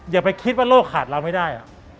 อย่าไปคิดว่าโลกขาดเราไม่ได้